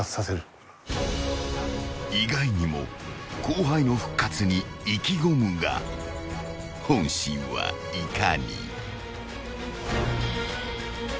［意外にも後輩の復活に意気込むが本心はいかに］